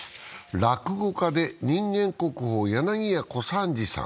落語家で人間国宝、柳家小三治さん